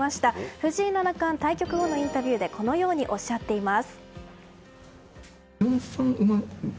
藤井七冠対局後のインタビューでこのようにおっしゃっています。